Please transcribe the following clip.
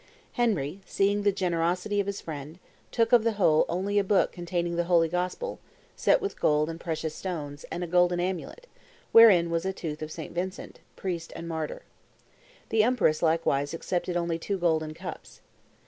Henry, seeing the generosity of his friend, took of the whole only a book containing the Holy Gospel, set with gold and precious stones, and a golden amulet, wherein was a tooth of St. Vincent, priest and martyr. The empress, likewise, accepted only two golden cups.